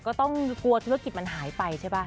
ก็ต้องกลัวธุรกิจมันหายไปใช่ป่ะ